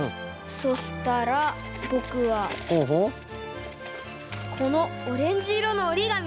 そしたらぼくはこのオレンジいろのおりがみで。